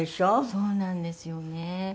そうなんですよね。